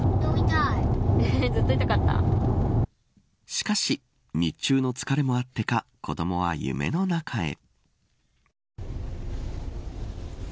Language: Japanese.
しかし、日中の疲れもあってか子どもは夢の中へ。